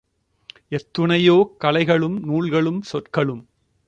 எத்துணையோ கலைகளும் நூல்களும் சொற்களும்